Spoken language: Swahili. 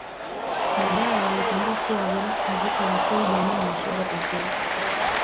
Baadae walitambua kuwa Virusi havikuwaathiri jamii ya mashoga pekee